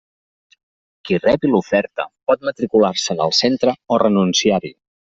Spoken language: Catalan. Qui rebi l'oferta pot matricular-se en el centre o renunciar-hi.